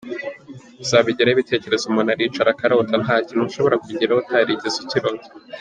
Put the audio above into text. kuzabigeraho, ibitekerezo umuntu aricara akarota, nta kintu ushobora kugeraho utarigeze ukirota.